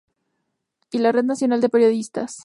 Y la Red Nacional de Periodistas.